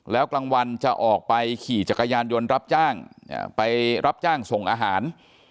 แล้วกลางวันจะออกไปขี่จักรยานยนต์รับจ้างไปรับจ้างส่งอาหาร